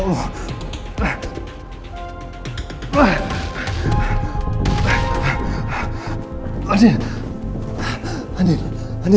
kalau ntar diamkan